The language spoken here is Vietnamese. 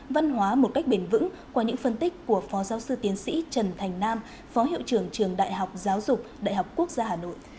văn hóa một cách bền vững qua những phân tích của phó giáo sư tiến sĩ trần thành nam phó hiệu trưởng trường đại học giáo dục đại học quốc gia hà nội